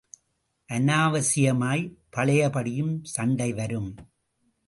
அனாவசியமாய் பழையபடியும் சண்டை வரும்.